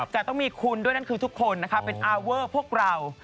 จะต้องมีคุณด้วยนั่นคือทุกคนเป็นเราพวกเรา